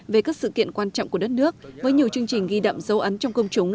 về các sự kiện quan trọng của đất nước với nhiều chương trình ghi đậm dấu ấn trong công chúng